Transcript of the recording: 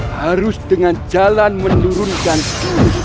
terus dengan jalan menurunkan diri